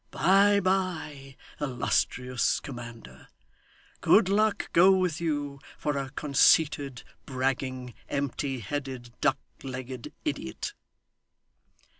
Bye, bye, illustrious commander. Good luck go with you for a conceited, bragging, empty headed, duck legged idiot.